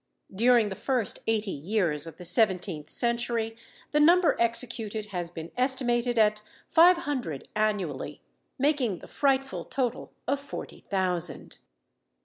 During the first eighty years of the seventeenth century, the number executed has been estimated at five hundred annually, making the frightful total of forty thousand.